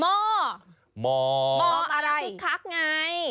มออะไรมออะไรทุกครั้งไง